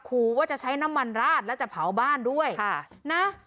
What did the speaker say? ขู่ว่าจะใช้น้ำมันราดแล้วจะเผาบ้านด้วยค่ะนะ